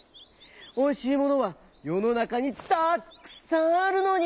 おいしいものはよのなかにたっくさんあるのに！」。